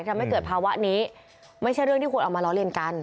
ทำให้เกิดภาวะนี้ไม่ใช่เรื่องที่ควรออกมาล้อเลียนกัน